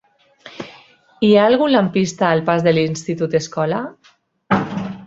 Hi ha algun lampista al pas de l'Institut Escola?